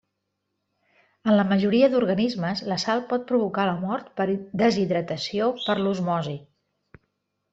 En la majoria d'organismes, la sal pot provocar la mort per deshidratació per l'osmosi.